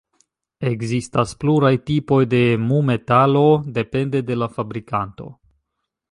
Ekzistas pluraj tipoj de mu-metalo, depende de la fabrikanto.